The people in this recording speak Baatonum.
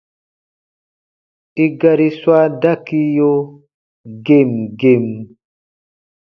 I gari swa dakiyo gem gem.